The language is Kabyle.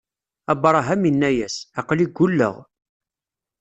Abṛaham inna-yas: Aql-i ggulleɣ.